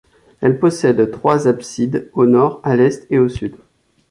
Elle possède trois absides, au nord, à l'est et au sud.